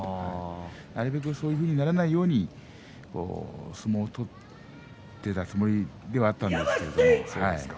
なるべくそういうふうにならように相撲を取っていたつもりだったんですけれども。